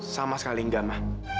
sama sekali gak ma